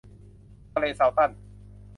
ทะเลซัลตัน